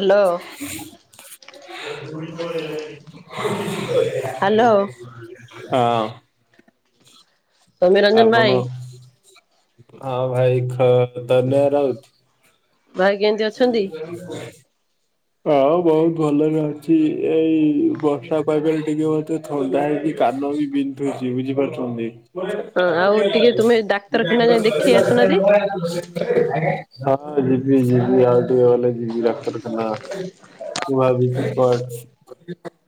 Hello. Hello. ହଁ। ସୌମ୍ୟ ରଞ୍ଜନ ଭାଇ ଆପଣ ହଁ ଭାଇ ଖ ଧନ୍ୟ ରହୁଛି। ଭାଇ କେମିତି ଅଛନ୍ତି? ହ। ହଁ ବହୁତ ଭଲରେ ଅଛି ଏଇ ବର୍ଷା ପାଗରେ ଟିକେ ମତେ ଥଦା ହେଇକି କାନ ବି ବିନ୍ଧୁଛି ବୁଝିପାରୁଛନ୍ତି। ହଁ ଯିବି ହଁ ଆଉ ଯିବି ଟିକେ ତୁମେ ଡାକ୍ତରଖାନା ଯାଇ ଦେଖେଇ ଆସୁନାହାନ୍ତି ହଁ ଜି ବିି ଜିବି ଆଉ ଟିକେ ଗଲେ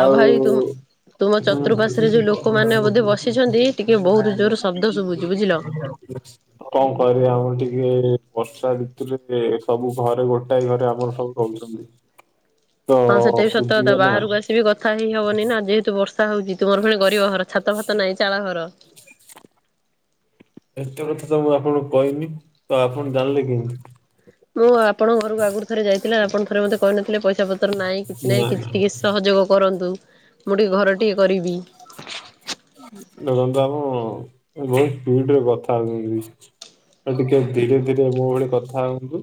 ଆଉ ଭାଇ ତୁ ଖାନା। ତୁମ ଚତୁଃପାର୍ଶ୍ଵରେ ଯୋଉ ମୁଁ ଲୋକମାନେ ବୋଧେ ଭାବିପ ବସିଛନ୍ତି ଟିକେ ବହୁତ ଆଉ ଜୋର ଶବ୍ଦ ଶୁଭୁଛି [unintelligible] ବୁଝିଲ। ହୁଁ କଣ କହ ଆମର ଟିକେ ବର୍ଷା ଭଋିତୁରେ ସବୁ ଘରେ ଗୋଟାଏ ଘରେ ଆମର ସବୁ। କହୁଛନ୍ତି ତ ଶୁଭିବେ ନା। ସେବି କଥା ହେଇ ହବନି ନା ଯେହେତୁ ବର୍ଷା ହଉଛି ତୁମର ପୁଣି ଗରିବ ଘର ଛାତ ଫାତ ନାହିଁ ଚାଳ ଘର। ଏତେ କଥା ତ ମୁଁ ଆପଣଙ୍କୁ କହିନି ତ ଆପଣ ଜାଣିଲେ କେମିତି। ମୁଁ ଆପଣଙ୍କ ଘରକୁ ଆଗରୁ ଥରେ ଯାଇଥିଲା ଆପଣ ଥରେ ମୋତେ କହିନଥିଲେ ପଇସା ପତ୍ର ନାହିଁ କିଛି ନା ନାହିଁ କିଛି ଟିକେ ସହଯୋଗ କରନ୍ତୁ ମୁଁ ଟିକିଏ ଘରଟିିକଏ କରିବି। ଦେଖନ୍ତୁ ବାବୁ ବହୁତ ଟ୍ୱିଉଟିରେ କଥା ହଉଛନ୍ତି। ଆଉ ଟିକେ ଧୀରେ ଧୀରେ ମୋ ଭଳି କଥା ହୁଅନ୍ତୁ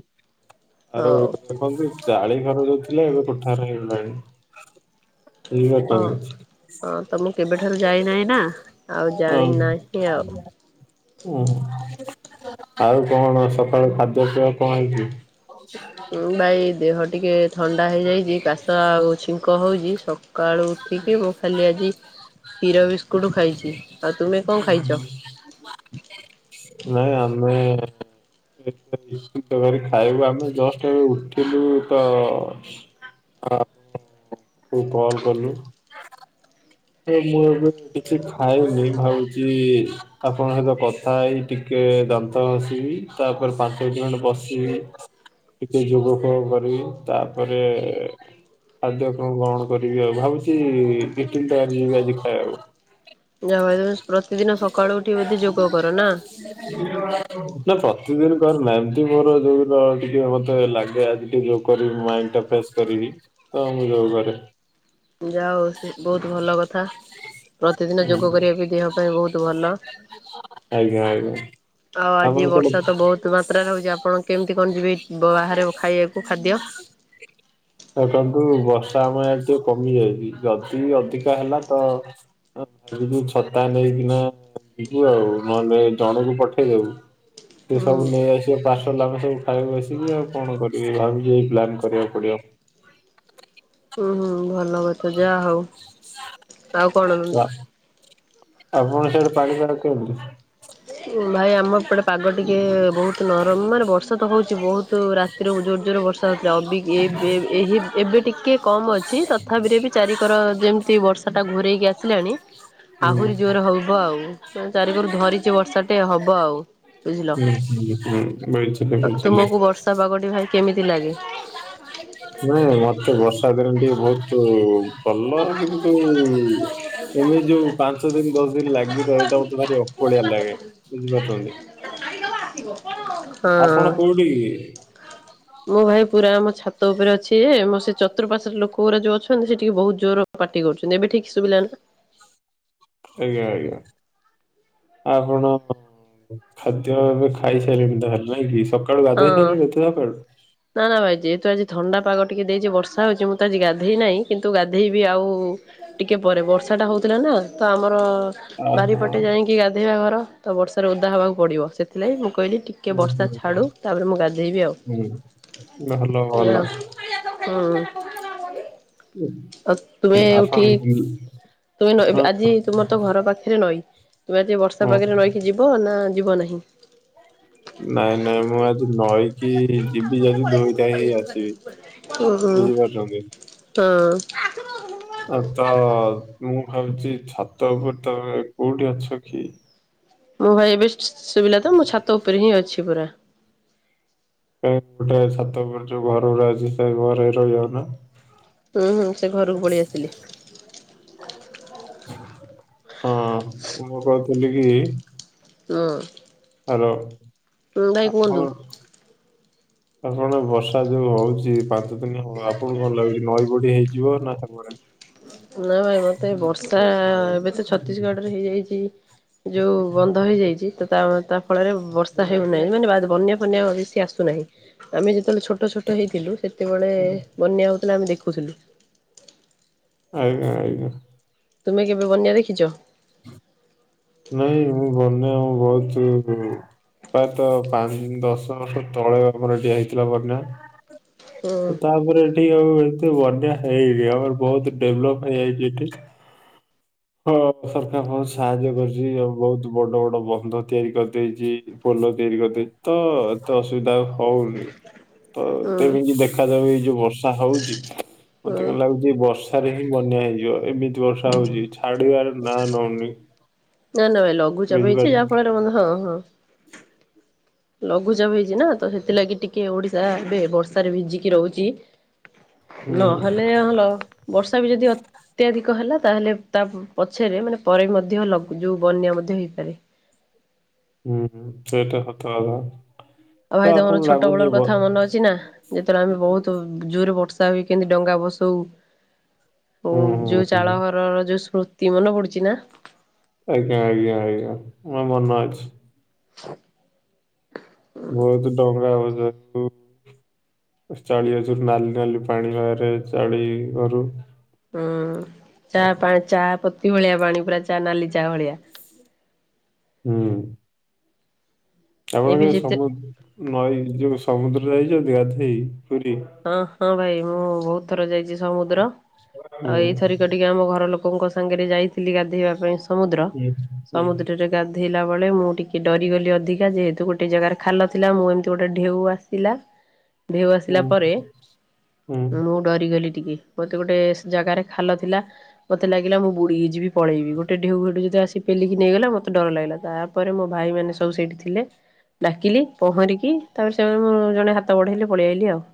ଆଉ ହଉ ଦେ ଖହନ୍ତୁ। ଚାଳି ଘର ଯାଉଥିଲେ ଏବେ କୋଠାରେ ହେଇଗଲାଣି ହଁ। କହେ [unintelligible] ହଁ ତ ମୁଁ କେବେଠାରୁ ଯାଇନାହିଁ ନା ଆଉ ଜାଣିନାହିଁ ଆଉ। ଓୁ ଆଉ କଣ ସକାଳୁ ଖାଦ୍ୟ ପେୟ କଣ ହେଇଛି? ଉଁ ଭାଇ ଦେହ ଟିକେ ଥଣ୍ଡା ହେଇଯାଇଛି କାଶ ଆଉ ଛିଙ୍କ ହଉଛିକ୍ତି ସବୁ ସକାଳୁ ଉଠିକି ମୁଁ ଖାଲି ଆଜି ହୀର ବିସ୍କୁଟ ଖାଇଛି ଆଉ ତୁମେ କଣ ଖାଇଛ? ନାଇଁ ଆମେ ଛୋଟ ବେଳେ ଖାଇବୁ ଆମେ ଜଷ୍ଟ ଉଠିଲୁ ତ ହଁ। ତୁକଲ୍ କଲୁ। ମୁଁ ଏବେ କିଛି ଖଏନି ଭାବୁଛି ଆପଣଙ୍କ ସହିତ କଥା ହେଇ ଟିକେ ଦାନ୍ତ ହସିବି ତାପରେ ପାଞ୍ଚ ମିନଟ ଖଣ୍ଡେ ବସିବି ଟିକେ ଯୋଗ ଫୋଗ କରି ତାପରେ ଖାଦ୍ୟ କଣ କଣ କରିବି ଆଉ ଭାବୁଛି [unintelligible] ଯାହା ଭାଇ ତମେ ପ୍ରତିଦିନ ସକାଳୁ ଉଠି ବୋଧେ ଯୋଗ କର ନା। ନା ପ୍ରତିଦିନ କରୁନା ଏମତି ମୋର ଯୋଉ ର ଟିକେ ମତେ ଲାଗେ ଆଜି ଟିକେ ଯୋଉ। କରିବି ମାଇଣ୍ଡ ଟା ଫ୍ରେସ୍ କରିବି ତ ମୁଁ ଯଉ କରେ। ଯା ଉ ବହୁତ ଭଲ କଥା। ପ୍ରତିଦିନ ଯୋଗ ହୁଁ, କରିବା ବି ଦେହ ପାଇଁ ବହୁତ ଭଲ। [unintelligible] ଆଉ ଆଜି ଆପଣ କୁଆଡେ ବର୍ଷା ତ ବହୁତୁ ମାତ୍ରାରେ ହଉଛି ଆପଣ କେମିତି କଣ ଯିବେ ବାହାରକୁ ଖାଇବାକୁ ଖାଦ୍ୟ। ଦେଖନ୍ତୁ ବର୍ଷା ଆମ ଇଆଡ଼େ ଟିକେ କମି ଯାଇଛି। ଯଦି ଅଧିକା ହେଲା ତ [inaudible] ଛତା ନେଇକିନା। ଯିବୁ ଆଉ ନହେଲେ ଜଣକୁ ପଠେଇଦବୁ ସେ ହୁଁ ସବୁ ନେଇ ଆସିବ ତା ସ ଲାଭ ସବୁ ଖାଇବା ଆସିବି ଆଉ କଣ କରିବି ଭାବିଜି ଏଇ ପ୍ଲାନ୍ କରିବାକୁ ପଡିବ। ଉ ହୁଁ ଭଲ କଥା ଯା ହଉ। ଆଉ କଣ ଲା ଆପଣ ସିଆଡେ ପାଣିି [unintelligible] କେମତି? ଭାଇ ଆମ ଏପଟେ ପାଗ ଟିକିଏ ବହୁତ ହୁଁ ହୁଁ ନରମ ମାନେ ବର୍ଷା ତ ହଉଛି ବହୁତ ରା ରୁ ଜୋର ଜୋରରେ ବର୍ଷା ହଉଥିଲା ହୁଁ ଅବି ଏ ଏ ବୁଝିଲି ଏବେ ଟିକିଏ କମ୍ ଅଛି ତ ତଥାପିରେ ବି ଚାରିିକର ଯେମିତି ବର୍ଷାଟା ଘୁରରେଇକି ଆ ଆସିଲାଣି ଆହୁରି ଜୋରରେ ହବ ଆଉ ଚାରି କୋରୁ ଧରି ବର୍ଷାଟେ ହବ ଆଉ ବୁଝିଲ ତ ବୁଝିଲି ତୁମକୁ। ବର୍ଷା ପାଗଟି ଭାଇ କେମିତି ଲାଗେ? ନାଇଁ ମତେ ବର୍ଷା ଦିନ ଟିକେ ବହୁତ ଭଲ କିନ୍ତୁ। ଏମି ଯୋଉ ପାଞ୍ଚ ଦିନ ଦଶ ଦିନ ଲାଗି ରହେ ଏଇଟା ମତେ ଭାରି ଅକଳିଆ ଲାଗେ ବୁଝିପାରୁଛନ୍ତି। ହ ହଁ। ପି ମୁଁ ଭାଇ ପୁରା ମୋ ଛାତ ଉପରେ ଅଛି ଯେ ମୋ ସେ ଚତୁର୍ପାଶରେ ଲୋକ ଗୋରା ଯଉ ଅଛନ୍ତି ସେ ଟିକେ ବହୁତ ଜୋର ପାଟି କରୁଛନ୍ତି ଏବେ ଠିକ୍ ଶୁଭିଲା ନା। ଆଜ୍ଞା ଆଜ୍ଞା। ଆପଣ ଖାଦ୍ୟ ଏବେ ଖାଇସାଇଲେଣି ସାଇଲେଣି ତାହେଲେ ନାଇଁ କି ସ କାଳୁ ଗଧୋଇ ହଁ ସାଇଲେଣି [unintelligible] ନା ନା ଭାଇ ଯେହେତୁ ଆଜି ଥଣ୍ଡା ପାଗ ଟିକେ ଦେଇଚି ବର୍ଷା ହଉଚି ମୁଁ ତ ଆଜି ଗାଧେଇ ନାହିଁ କିନ୍ତୁ ଗାଧେଇବି ଆଉ। ଟିକିଏ ପରେ ବର୍ଷା ଟା ହଉଥିଲା ନା ତ ଆମର। ଓହୋ ବାରିପଟେ ଯାଇଁକି ଗାଧେଇବା ଘର ତ ବର୍ଷାରେ ଓଦା ହବାକୁ ପଡିବ ସେଥିଲାଗି ମୁଁ କହିଲି ଠିକ୍ କେ ହୁଁ ବର୍ଷା ହୁଁ ଛାଡ଼ୁ। ତାପରେ ମୁଁ ଗାଧେଇବି ଆଉ ହୁଁ ନହଲ ଭଲ। ଏଇଆ ହୁଁ ଆଉ ତୁମେ ଉଠିକି ଆପଣ ତୁମେ ଆଜି ହଁ ତୁମର ତ ଘର ପାଖେରେ ନଈ। ତମେ ଆଜି ବର୍ଷା ହଁ ପାଗରେ ରହିକି ଯିବ ନା ଯିବ ନାହିଁ। ନାଇଁ ନାଇଁ ମୁଁ ଆଜି ନଈକି ଯିବି ଯଦି ଦୁଇଟା ହେଇ ଆସିବି। ଉଁ ହୁଁ ବୁଝିପାରୁଚନ୍ତି। ହଁ। ତ ମୁଁ ଭାବୁଚି ଛାତ ଉପରେ ତମେ କୋଉଠି ଅଛ କି? ମୋ ଭାଇ ଏବେ ଶୁବିଲା ତ ମୁଁ ଛାତ ଉପରେ ହିଁ ଅଛି ପୁରା। ଏ ଗୋଟେ ଛାତ ଉପରେ ଯୋଉ ଘର ଗୋରା ଅଛି ସେ ଘରେ ରହି ଯାଉନା। ହୁଁ ହୁଁ ସେ ଘରକୁ ପଳେଇ ଆସିଲି। ହଁ ମୁଁ କହୁଥିଲି କି? ନୂଅ। ହ୍ୟାଲୋ କୁହନ୍ତୁ ଆପଣ ଆପଣଙ୍କ ବର୍ଷା ଯୋଉ ହଉଚି ପାଞ୍ଚ ଦିନ ହବ ଆପଣଙ୍କୁ କଣ ଲାଗୁଛି ନଈ ବଡି ହେଇଯିବ ନା ହେବନାହିଁ। ନା ଏବ ମତେ ବର୍ଷା ଏବେ ତ ଛତିଶଗଡ଼ ରେ ହେଇଯାଇଚି। ଯୋଉ ବନ୍ଧ ହେଇଯାଇଛି ତ ତା ଫଳରେ ବର୍ଷା ହେଉନାହିଁ ମାନେ ବା ବନ୍ୟା ବନ୍ୟା ବେଶୀ ଆସୁନାହିଁ ଆମେ ଯେତେବେଳେ ଛୋଟ ଛୋଟ ହେଇଥିଲୁ ସେତେବେଳେ ବନ୍ୟା ହେଉଥିଲା ଆମେ ଦେଖୁଥିଲୁ। ଆଜ୍ଞା ଆଜ୍ଞା। ତୁମେ କେବେ ବନ୍ୟା ଦେଖିଚ। ନାଇଁ ମୁଁ ବନ୍ୟା ବହୁତ ଆଗରୁ ପ୍ରାୟତଃ ପାଞ୍ଚ ଦଶ ବର୍ଷ ତଳେ ଆମର ଟିକଏ ହେଇଥିଲା ବନ୍ୟା। ହୁଁ ତାପରେ ଏଠି ଆଉ ଏତେ ବନ୍ୟା ହେଇନି ଆମର ବହୁତ ଡେଭଲପ୍ ହେଇଯାଇଛି ଏଠି। ହଁ ସରକାର ବହୁତ ସାହାଯ୍ୟ କରି ଚି ଆଉ ବହୁତ୍ ବଡ ବଡ ବନ୍ଧ ତିଆରି କରିଦେଇଚି। ପୋଲ ତିଆରି କରିଦେଇ ତ ଏତେ ଅସୁବିଧା ଆଉ ହଉନି। ତ ହୁଁ ତେଣୁ ଦେଖାଯାଉ ଏଇ ଯୋଉ ବର୍ଷା ହଉଛି ମତେ ହୁଁ କାଇଁ ଲାଗୁ ଏ ବର୍ଷାରେ ହିଁ ବନ୍ୟା ହେଇଯିବ ଏମିତି ବର୍ଷା ହଉଛି ଛାଡିବାର ନାଁ ନଉନି। ନା ନା ଭାଇ ଲଘୁଚାପ ହେଇଛି ବୁଝିପାରିଲେ ଯାହା ଫଳରେ ହଁ ହଁ। ଲଘୁଚାପ ହେଇଛି ନା ତ ସେଥିଲାଗି ଟିକେ ଓଡ଼ିଶା ଏବେ ବର୍ଷାରେ ଭିଜିକି ରହୁଛି। ହୁଁ ନହେଲେ ଭଲ ବର୍ଷା ବି ଯଦି ଅ ଅତ୍ୟାଧିକ ହେଲା ତାହେଲେ ତା ପଛରେ ମାନେ ପରେ ମଧ୍ୟ ଲଘୁ ଯୋଉ ବନ୍ୟା ମଧ୍ୟ ହେଇପାରେ। ଉଁ ହୁଁ ସେଇଟା ସତ କଥା। ଆଉ ତ ଭାଇ ତମର ଆପଣଙ୍କୁ ଛୋଟ ଲାଗୁନି ଏ ବେଳର ବ କଥା ମନେ ଅଛି ନା ଯେତେବେଳେ ଆମେ ବହୁତ୍ ତ ଜୋରେ ବର୍ଷା ହୁଏ କେମିତି ଡଙ୍ଗା ଭସଉ। ଓଁ ହୁଁ ହୁଁ ଯୋଉ ହୁଁ ଚାଳ ଘରର ଯୋଉ ସ୍ମୃତି ମନେ ପଡୁଛି ନା। ଆଜ୍ଞା ଆଜ୍ଞା ଆଜ୍ଞା ମୋ ମନେ ଅଛି ‌। [inaudible] ବହୁତୁ ଡଙ୍ଗା ଭସଉଚୁ। ଚାଳିଆ ଯୋଉ ନାଲି ନାଲି ପାଣି ବାହାରେ ଚାଳି ଘରୁ। ହୁଁ ଚା ପାଣି ଚା ପତି ଭଳିଆ ପାଣି ପୁରା ଚା ନାଲି ଚା ଭଳିଆ। ହୁଁ। ଆପଣ ଏବେ କେବେ ଯେତେ ସମୁ ନଈ ଯୋଉ ସମୁଦ୍ରରେ ଯାଇଛନ୍ତି ଗାଧେଇ ପୁରୀ। ହଁ ହଁ ଭାଇ ମୁଁ ବହୁତ ଥର ଯାଇଛି ସମୁଦ୍ର ହୁଁ ଆଉ ଏଇଥରିକ ଟିକେ ଆମ ଘର ଲୋକଙ୍କ ସାଙ୍ଗରେ ଯାଇଥିଲି ଗାଧେଇବା ପାଇଁ ସମୁଦ୍ର ହୁଁ ହୁଁ ସମୁଦ୍ରରେ ଗାଧେଇଲା ବେଳେ ମୁଁ ଟିକେ ଡରିଗଲି ଅଧିକା ଯେହେତୁ ଗୋଟେ ଜାଗାରେ ଖାଲ ଥିଲା ମୁଁ ଏମିତି ଗୋଟେ ଢେଉ ଆସିଲା। [inaudible] ଢେଉ ଆସିଲା ହୁଁ। ପରେ ହୁଁ ମୁଁ ଡରିଗଲି ଟିକେ ମୋତେ ଗୋଟେ ଜାଗାରେ ଖାଲ ଥିଲା ମତେ ଲାଗିଲା ମୁଁ ବୁଡ଼ି ଯିବି। ପଳେଇବି ଗୋଟେ ଢେଉ ଗୋଟେ ଯଦି ଆସି ପେଲିକି ନେଇଗଲା ମତେ ଡର ଲାଗିଲା ତାପରେ ମୋ ଭାଇ ମାନେ ସବୁ ସେଇଠି ଥିଲେ ‌। ଡାକିଲି ପହଁରିକି ତାପରେ ସେମାନେ ଜଣେ ହାତ ବଢେଇଲେ ପଳେଇ ଆଇଲି ଆଉ।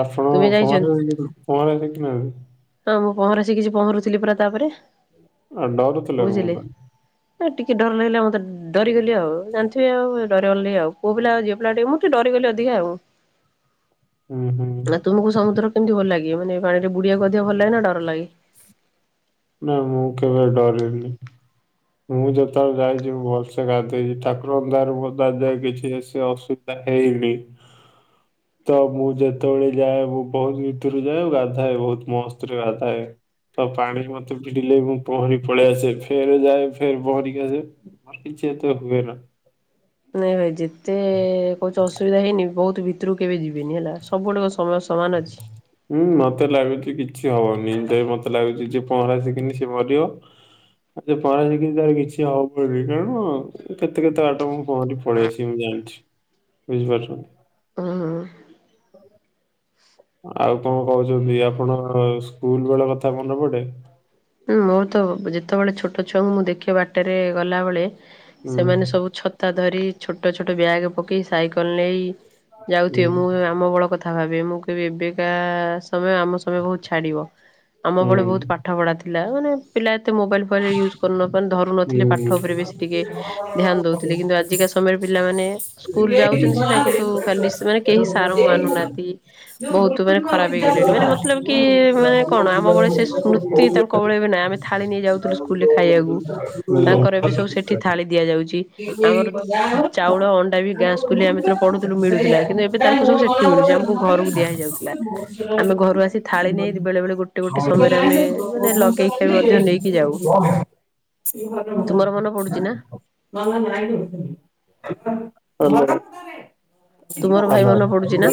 ଆପଣ ତୁମେ ଯାଇଚ? ପହଁରା ଶିଖିଚନ୍ତି ପହଁରା ଶିଖି ନାହାଁନ୍ତି। ହଁ ମୁଁ ପହଁରା ଶିଖିଛି ପହଁରୁଥିଲି ପରା ତାପରେ। ଆଉ ଡରୁଥିଲ କଣ ପାଇଁ। ଆ ଟିକେ ଡର ଲାଗିଲା ମତେ ଉଁ ଡରିଗଲି ଆଉ ଜାଣିଥିବେ ଆଉ ଡରିଗଲି ଆଉ ପୁଅ ପିଲା ଝିଅ ପିଲା ଟିକେ ମୁଁ ଟିକେ ଡରିଗଲି ଅଧିକା ଆଉ। ହୁଁ ହୁଁ। ନା ତୁମକୁ ସମୁଦ୍ର କେମିତି ଭଲ ଲାଗେ ମାନେ ପାଣିରେ ବୁଡିିବାକୁ ଅଧିକ ଭଲ ଲାଗେ ନା ଡର ଲାଗେ? ନା ମୁଁ କେବେ ଡରେନି। ମୁଁ ଯେତେବେଳେ ଯାଇଛି ମୁଁ ଭଲସେ ଗାଧେଇଛି ଠାକୁରଙ୍କ ଦୟାରୁ ମତେ ଆଜି ଯାଏ କିଛି ସେ ଅସୁ ରା ହେଇନି। ତ ମୁଁ ଯେତେବେଳେ ଯାଏ, ମୁଁ ବହୁତ ଭିତରକୁ ଯାଏ, ଗାଧାଏ ବହୁତ ମସ୍ତ ରେ ଗାଧାଏ। ତ ପାଣି ମତେ ଭିଡିଲେ ମୁଁ ପହଁରି ପଳେଇ ଆସେ ଫେରେ ଯାଏ ଫେରେ ପହଁରିକି ଆସେ। ମର କିଛି ଏତେ ହୁଏନା। ନାଇଁ ଭାଇ ଯେତେ କହୁଛ ଅସୁବିଧା ହେଇନି ବହୁତୁ ଭି ତ୍ରୃକୁ କେବେ ଯିବେନି ହେଲା ସବୁ ଆଡୁ ସମୟ ସମାନ ଅଛି। ହୁଁ ମତେ ଲାଗୁଛି କିଛି ହବନି ଯେ ମତେ ଲାଗୁଛି ଯେ ପହଁରାସିକିନି ସିଏ ମରିବ। ଆଉ ଯେ ପହଁରା ସିକିଛି ତାର କିଛି ହବ ନି କାରଣ କେତେ କେତେ ବାଟ ମୁଁ ପହଁରି ପଳେଇ ଆସିବି ମୁଁ ଜାଣିଛି ବୁଝିପାରୁଛନ୍ତି? ହଁ ଅଁ। ଆଉ କଣ କହୁଛନ୍ତି ଆପଣ ସ୍କୁଲ ବେଳ କଥା ମନେ ପଡେ? ହୁଁ ମୋର ତ ଯେତେବେଳେ ଛୋଟ ଛୁଆଙ୍କୁ ମୁଁ ଦେଖେ ବାଟରେ ଗଲାବେଳେ ହୁଁ ସେମାନେ ସବୁ ଛତା ଧରି ଛୋଟ ଛୋଟ ବ୍ୟାଗ୍ ପକାଇ ସାଇକଲ ନେଇ ହୁଁ ଯାଉଥିବେ ମୁଁ ଆମ ବଳ କଥା ଥା ଭାବେ ମୁଁ କହିବି ଏବେକା ସମୟ ଆମ ସମୟ ବହୁତୁ ଛାଡିବ ଆମ ବେଳେ ବହୁତୁ ପାଠ ପଢା ଥା ଥିଲା ମାନେ ପିଲା ଏତେ ମୋବାଇଲି ଫୋବାଇଲି ୟୁଜୁ କରୁନ ପାନ ହୁଁ ଧରୁନଥିଲେ ପାଠ ଉପରେ ବେଶୀ ଟିକେ ଧ୍ୟାନ ଦଉଥିଲେ କିନ୍ତୁ ଆଜିକା ସମୟରେ ପିଲାମାନେ। ସ୍କୁଲ ଯାଉଛନ୍ତି ସିନା କିନ୍ତୁ ଖାଲି ସେ ମାନେ କେହି ସାର୍ ଙ୍କୁ ମାନୁନାହାନ୍ତି ବହୁତୁ ମାନେ ଖରାପ ହେଇଗଲେଣି ମାନେ ମତଲବ କି ମାନେ କଣ ଆମ ଭଳି ସେ ସ୍ମୃତି ତାଙ୍କ ବେଳେ ବି ନାଇଁ ଆମେ ଥାଳି ନେଇ ଯାଉଥିଲୁ ସ୍କୁଲ ରେ ଖାଇବାକୁ। ତାଙ୍କର ଏବେ ସବୁ ସେଠି ହୁଁ। ଥାଳି ଦିଆଯାଉଛି ଆମର ଚାଉଳ ଅଣ୍ଡା ବି ଗାଁ ସୁ ସ୍କୁଲୁରେ ଆମେ ଜେତେବେଳେ ପଢୁଥିଲୁ ମିଳୁଥିଲା କିନ୍ତୁ ଏବେ ତାଙ୍କୁ ସବୁ ସେଠି ମିଳୁଛି ଆମକୁ ଘରକୁ ଦିଆ ହେଇଯାଉଥିଲା ଆମେ ଘରୁ ଆସି ଥାଳି ନେଇ ବେଳେ ବେଳେ ଗୋଟେ ଗୋଟେ ସମୟରେ ଆମେ ମାନେ ଲଗେଇ ଖିଆ ମଧ୍ୟ ନେଇକି ଯାଉ। ଇଏ ଘରବରା ତୁମର ମନେ ଆଁ ହଉ। ପଡୁଛି ନା [unintelligible] ତୁମର ଭାଇ ହାଲୋ ମନେ ପଡୁଛି ନା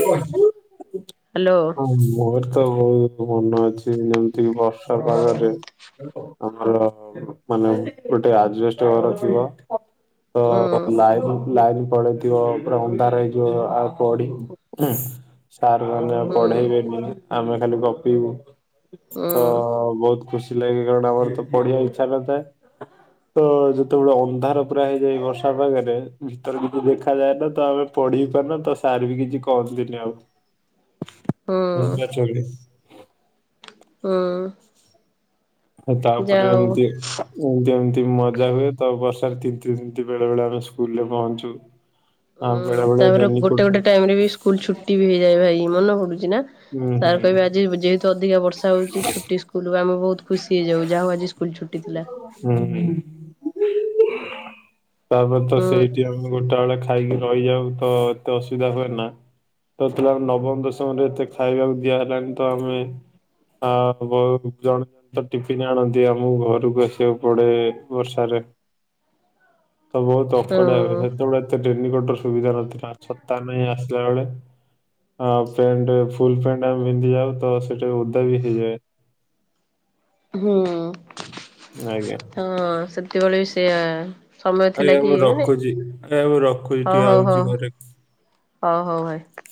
ହ୍ୟାଲୋ ହଁ ମୋର ତ ବହୁତ ମନ ଅଛି ଯେମିତିକି ବର୍ଷା ପାଗରେ ଆମର ମାନେ ଗୋଟେ ଆଜବେଷ୍ଟ ଘରଥିବ ଅ ହୁଁ। ତ ଲାଇନି ଲାଇନି ପଳେଇ ଥିବ ପୁରା ଅନ୍ଧାର ହେଇଥିବ ଆଉ ପଢି ହୁଁ। ସାର୍ ମାନେ ହୁଁ ପଢେଇବେନି ଆମେ ଖାଲି ଗପିବୁ ହୁଁ ତ ବହୁତ ଖୁସି ଲାଗେ କାରଣ ଆମର ତ ପଢିବା ଇଚ୍ଛା ନଥାଏ। ତ ଯେତେବେଳେ ଅନ୍ଧାର ପୁରା ହେଇଯାଏ ବର୍ଷା ପାଗରେ ଭିତରେ କିଛି ଦେଖାଯାଏ ନା ତ ଆମେ ପଢି ପାରୁନା ତ ସାର ବି କିଛି କହନ୍ତିନି ଆଉ ହୁଁ ଏମିତି ଅଛୁ ବୋଲି। ହୁଁ। ଆଉ ତାପରେ ଯାଉ। ଏମିତି ଏମିତି ଏମିତି ମଜା ହୁଏ ତ ବର୍ଷାରେ ତିନ୍ତି ତିିନ୍ତି ବେଳେ ବେଳେ ଆମେ ସ୍କୁଲ ରେ ପହଞ୍ଚୁ। ଆଉ ଉଁ ବେଳେବେଳେ ତାପରେ ଗୋଟେ ରେନିକୋଟ ଗୋଟେ ଟାଇମ ରେ ବି ସ୍କୁଲ ଛୁଟି ବି ହେଇଯାଏ ଭାଇ ମନେ ପଡୁଛି ନା ହୁଁ ସାର୍ କହିବେ ଆଜି ଯେହେତୁ ତ ଅଧିକା ବର୍ଷା ହଉଛି ଛୁଟି ସ୍କୁଲ ଆମେ ବହୁତୁ ଖୁସି ହେଇଯାଉ ଯାହା ହଉ ଆଜି ସ୍କୁଲ ଛୁଟି ଥିଲା। ଉହୁଁ ତାପରେତ ହୁଁ ସେଇଠି ଆମେ ଗୋଟା ବେଳେ ଖାଇ ଖାଇକି ରହିଯାଉ ତ ଏତେ ଅସୁବିଧା ହୁଏ ନା। ତ ଥିଲା ନବମ ଦଶମରେ ଏତେ ଖାଇବାକୁ ଦିଆହେଲାଣିି ତ ଆମେ ଆଁ ବହୁ ଜଣ। ତ ଟିଫିନ୍ ଆଣନ୍ତି ଆମକୁ ଘରକୁ ଆସିବାକୁ ପଡେ ବର୍ଷାରେ। ତ ବହୁତ ଅକ ଟାଇମିରେ ହଁ ସେତେବେଳେ ଏତେ ରେନିକୋଟ ର ସୁବିଧା ନଥିଲା ଛତା ନାଇଁ ଆସିଲା ବେଳେ। ହଁ ପ୍ୟାଣ୍ଟ ଫୁଲ ପ୍ୟାଣ୍ଟ ଆମେ ବିନ୍ଧି ଯାଉ ତ ସେଠା ଓଦା ବି ହେଇଯାଏ। ହୁଁ। ଆଜ୍ଞା। ହଁ ସେତେ ବେଳେ ବି ସେୟା। ସମୟ ଥିଲା ଆଜ୍ଞା କି ମୁଁ ମାନେ ରଖୁଛି ଆଜ୍ଞା ମୁଁ ରଖୁଛି ହଉ ଟିକେ ହଉ ହଉ ଆଉଛି ଘରେ। ହଉ ହଉ ଭାଇ।